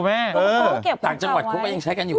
ต่างจังหวัดเขาก็ยังใช้กันอยู่